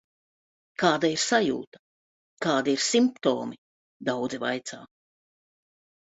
Kāda ir sajūta, kādi ir simptomi, daudzi vaicā?